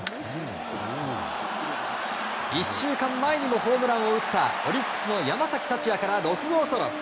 １週間前にもホームランを打ったオリックスの山崎福也から６号ソロ。